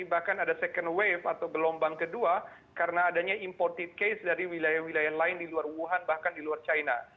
bahkan ada second wave atau gelombang kedua karena adanya imported case dari wilayah wilayah lain di luar wuhan bahkan di luar china